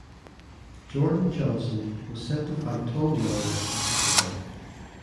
Jordan Johnson was set to fight Tom Lawlor at this event.